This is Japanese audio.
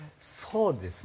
そうですね